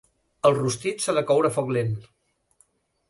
El rostit s'ha de coure a foc lent.